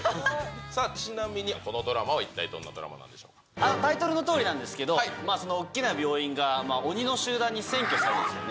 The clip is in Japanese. さあ、ちなみにこのドラマは、タイトルのとおりなんですけれども、大きな病院が、鬼の集団に占拠されるんですよね。